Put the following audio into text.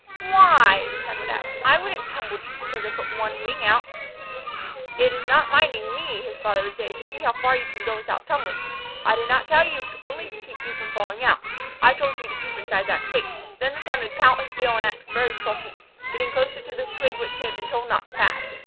"Why?" the son would ask. "I wouldn't tumble just because I put one wing out." "It is not minding me," his father would say, "to see how far you can go without tumbling. I did not tell you only to keep from falling out. I told you to keep inside that twig." Then the son would pout his bill and act very sulky, getting close to the twig which he had been told not to pass.